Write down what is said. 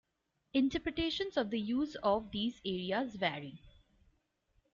Interpretations of the use of these areas vary.